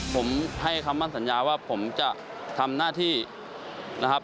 ผมให้คำมั่นสัญญาว่าผมจะทำหน้าที่นะครับ